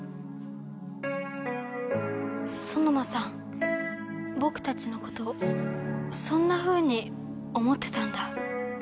ソノマさんぼくたちのことそんなふうに思ってたんだ。